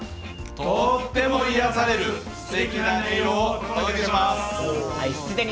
とっても癒やされるすてきな音色をお届けします。